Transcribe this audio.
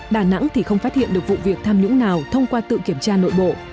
đà nẵng thì không phát hiện được vụ việc tham nhũng nào thông qua tự kiểm tra nội bộ